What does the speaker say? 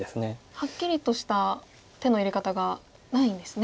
はっきりとした手の入れ方がないんですね。